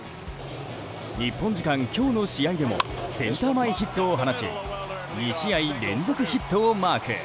日本時間今日の試合でもセンター前ヒットを放ち２試合連続ヒットをマーク。